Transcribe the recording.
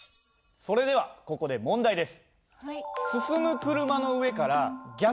それではここで問題です。